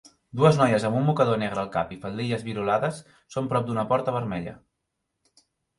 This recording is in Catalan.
Dues noies amb un mocador negre al cap i faldilles virolades són prop d'una porta vermella